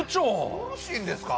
よろしいんですか？